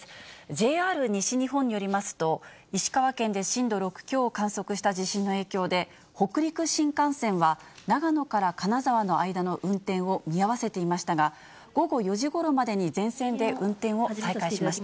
ＪＲ西日本によりますと、石川県で震度６強を観測した地震の影響で、北陸新幹線は、長野から金沢の間の運転を見合わせていましたが、午後４時ごろまでに全線で運転を再開しました。